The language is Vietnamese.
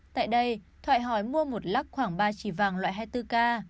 tại đây thoại hỏi mua một lắc khoảng ba chỉ vàng loại hai mươi bốn k